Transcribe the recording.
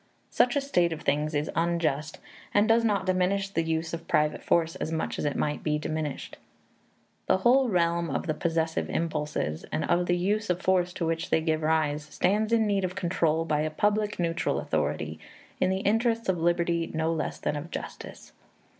Such a state of things is unjust, and does not diminish the use of private force as much as it might be diminished. The whole realm of the possessive impulses, and of the use of force to which they give rise, stands in need of control by a public neutral authority, in the interests of liberty no less than of justice.